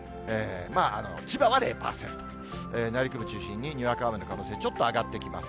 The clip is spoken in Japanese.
まあ千葉は０％、内陸部中心ににわか雨の可能性、ちょっと上がってきます。